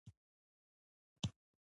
وچکالي څه پایلې لري؟